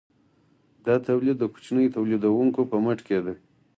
دا تولید د کوچنیو تولیدونکو په مټ کیده.